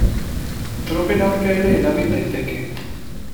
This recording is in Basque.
Tropen aurka ere erabil daiteke.